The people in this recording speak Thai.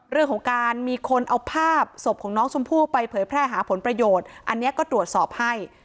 เรื่องของการมีคนเอาภาพศพของน้องชมพู่ไปเผยแพร่หาผลประโยชน์อันนี้ก็ตรวจสอบให้